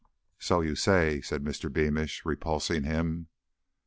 "So you say," said Mr. Beamish, repulsing him.